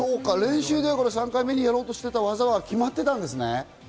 練習では３回目にやろうと思ってた技は決まってたんですね。